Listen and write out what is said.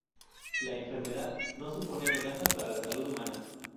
La enfermedad no supone amenaza para la salud humana.